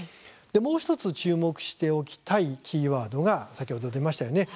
もう１つ注目しておきたいキーワードが先ほど出ましたよね